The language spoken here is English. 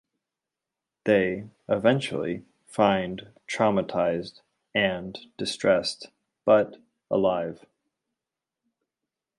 They eventually find traumatised and distressed but alive.